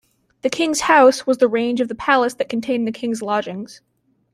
The "King's House" was the range of the palace that contained the king's lodgings.